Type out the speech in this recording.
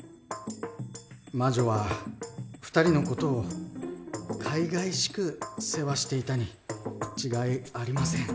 魔女は２人の事をかいがいしく世話していたに違いありません。